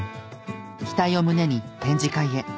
期待を胸に展示会へ。